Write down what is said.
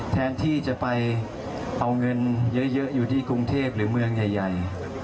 แทนที่จะไปเอาเงินเยอะอยู่ที่กรุงเทพหรือเมืองใหญ่